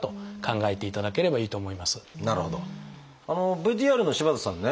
ＶＴＲの柴田さんね